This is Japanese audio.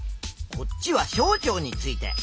こっちは小腸について。